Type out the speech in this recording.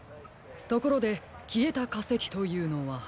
ところできえたかせきというのは？